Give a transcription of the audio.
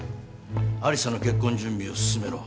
有沙の結婚準備を進めろ。